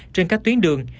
trên các tuyến đường